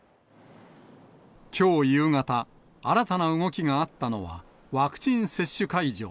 きょう夕方、新たな動きがあったのはワクチン接種会場。